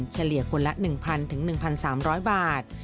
เฉลี่ยคนละ๑๐๐๑๓๐๐บาท